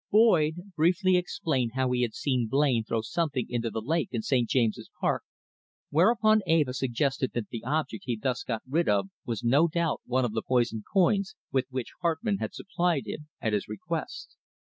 Boyd briefly explained how he had seen Blain throw something into the lake in St. James's Park, whereupon Eva suggested that the object he thus got rid of was no doubt one of the poisoned coins with which Hartmann had supplied him at his request.